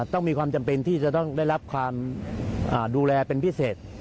ต้องมีความจำเป็นที่จะต้องได้รับความดูแลเป็นพิเศษ